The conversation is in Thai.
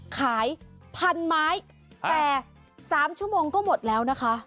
ขายพันไม้แต่๓ชั่วโมงก็หมดแล้วนะคะ